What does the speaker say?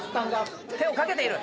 手を掛けている。